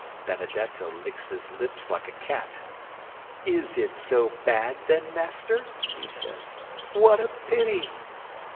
'Benedetto licks his lips like a cat. "It is so bad then, Master?" he says. "What a pity!"